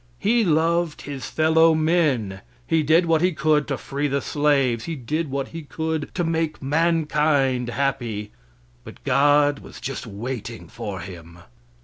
He loved his fellow men; he did what he could to free the slaves; he did what he could to make mankind happy; but God was just waiting for him.